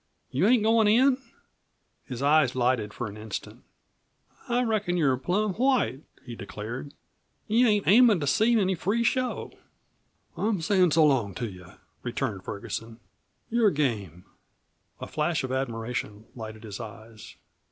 "You ain't goin' in?" his eyes lighted for an instant. "I reckon you're plum white!" he declared. "You ain't aimin' to see any free show." "I'm sayin' so long to you," returned Ferguson. "You're game." A flash of admiration lighted his eyes.